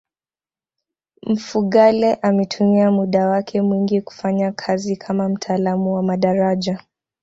mfugale ametumia muda wake mwingi kufanya kazi kama mtaalamu wa madaraja